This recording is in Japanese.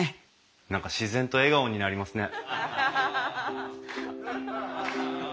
何か自然と笑顔になりますね。